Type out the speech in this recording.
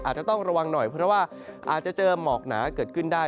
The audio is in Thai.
อาจจะต้องระวังหน่อยเพราะว่าอาจจะเจอหมอกหนาเกิดขึ้นได้